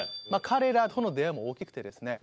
彼らとの出会いも大きくてですね。